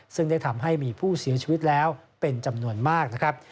ซึ่งได้ทำให้มีผู้เสียชีวิตแล้วเป็นจำนวนมากนะครับ